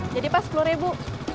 jadi pas sepuluh ribu